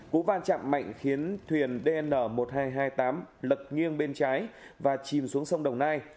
cú va chạm mạnh khiến thuyền dn một nghìn hai trăm hai mươi tám lật nghiêng bên trái và chìm xuống sông đồng nai